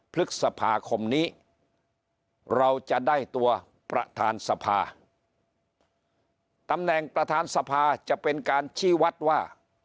พฤษภาคมนี้เราจะได้ตัวประธานสภาตำแหน่งประธานสภาจะเป็นการชี้วัดว่า